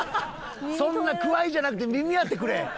そんなくわいじゃなくて耳当てくれ。